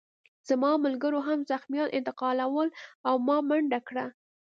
زما ملګرو هم زخمیان انتقالول او ما منډه کړه